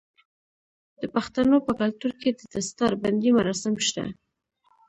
د پښتنو په کلتور کې د دستار بندی مراسم شته.